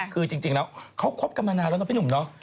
คือจริงแล้วเขาคบกันมานานแล้วนะพี่หนุ่มเนาะ